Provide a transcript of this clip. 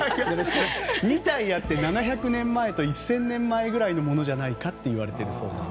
２体あって７００年前と１０００年前ぐらいのものじゃないかといわれているそうです。